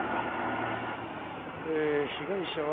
えー「被害者は」。